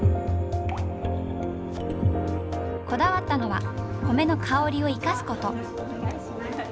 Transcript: こだわったのは米の香りを生かすこと。